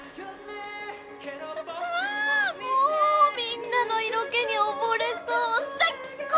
ああもうみんなの色気に溺れそう最高！